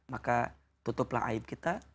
maka tutuplah aib kita